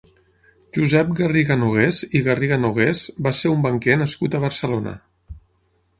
Josep Garriga-Nogués i Garriga-Nogués va ser un banquer nascut a Barcelona.